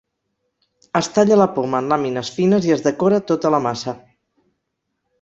Es talla la poma en làmines fines i es decora tota la massa.